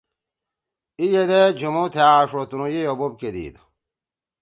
اِی ییدے جُھومُو تھأ آݜو تنُو یِئی او بوپ کے دیِد۔